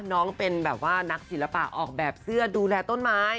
น้องเป็นแบบว่านักศิลปะออกแบบเสื้อดูแลต้นไม้